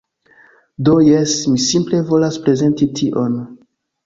Do jes, mi simple volas prezenti tion.